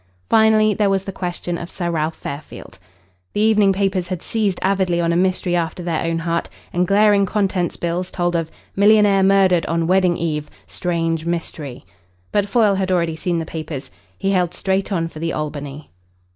Finally, there was the question of Sir Ralph Fairfield. The evening papers had seized avidly on a mystery after their own heart, and glaring contents bills told of "Millionaire Murdered on Wedding Eve. Strange Mystery." But Foyle had already seen the papers. He held straight on for the Albany.